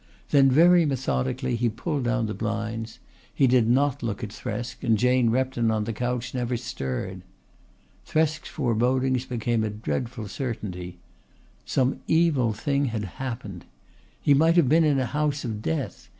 Then very methodically he pulled down the blinds. He did not look at Thresk and Jane Repton on the couch never stirred. Thresk's forebodings became a dreadful certainty. Some evil thing had happened. He might have been in a house of death.